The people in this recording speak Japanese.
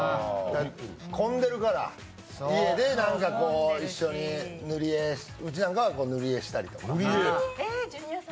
混んでるから、家でなんか一緒に塗り絵うちなんかは塗り絵したりとか。